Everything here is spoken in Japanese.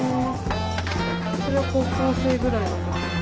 それは高校生ぐらいのとき？